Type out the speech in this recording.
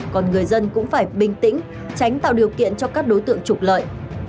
còn người dân cũng phải bình tĩnh tránh tạo điều kiện cho các đối tượng trục lợi